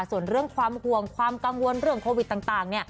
ส่วนเรื่องความห่วงความกังวลเรื่องโควิดต่าง